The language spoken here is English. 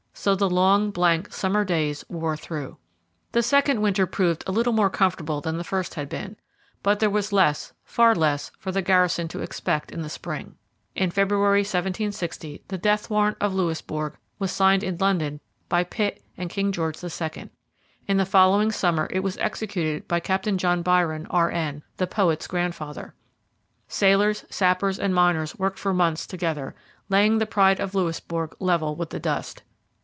So the long, blank, summer days wore through. The second winter proved a little more comfortable than the first had been. But there was less, far less, for the garrison to expect in the spring. In February 1760 the death warrant of Louisbourg was signed in London by Pitt and King George II. In the following summer it was executed by Captain John Byron, R. N., the poet's grandfather. Sailors, sappers, and miners worked for months together, laying the pride of Louisbourg level with the dust.